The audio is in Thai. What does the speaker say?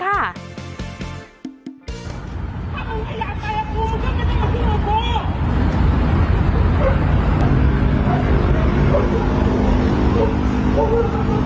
ถ้ามันไม่อยากไปกับกูก็ไม่ต้องมาช่วยกับกู